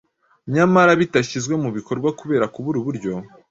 nyamara bitashyizwe mu bikorwa kubera kubura uburyo-